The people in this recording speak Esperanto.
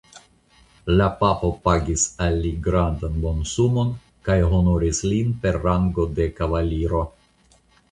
La papo pagis al li grandan monsumon kaj honoris lin per rango de kavaliro.